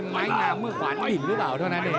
ไม้งางเมื่อขวานไม่อิ่งหรือเปล่า